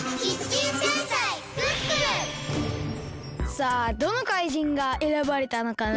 さあどのかいじんがえらばれたのかな？